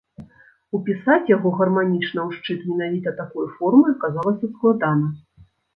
Упісаць яго гарманічна ў шчыт менавіта такой формы аказалася складана.